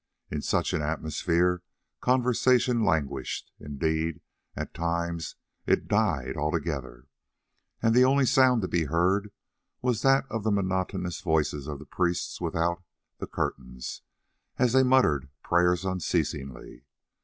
In such an atmosphere conversation languished; indeed, at times it died altogether, and the only sound to be heard was that of the monotonous voices of the priests without the curtains, as they muttered prayers unceasingly.